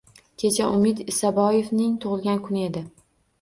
Kecha Umid Isaboevning tug'ilgan kuni edi